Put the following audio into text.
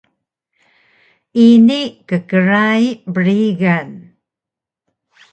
ini kkray brigan